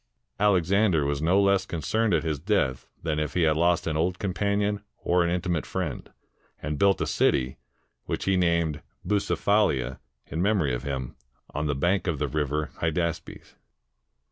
Alexander was no less concerned at his death than if he had lost an old companion or an intimate friend, and built a city, which he named Bucephaha, in memory of him, on the bank of the river Hydaspes.